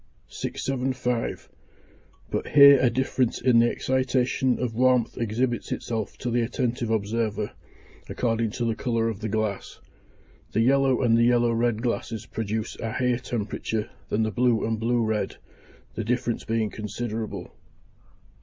675. But here a difference in the excitation of warmth exhibits itself to the attentive observer, according to the colour of the glass. The yellow and the yellow red glasses produce a higher temperature than the blue and blue red, the difference being considerable.